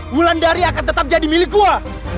mulan dari akan tetap jadi milik gue